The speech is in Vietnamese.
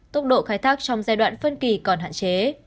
tốc độ khai thác trong giai đoạn phân kỳ còn hạn chế